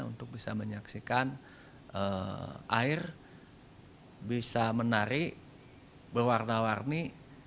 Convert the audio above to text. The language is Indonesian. untuk bisa menyaksikan air bisa menari berwarna warni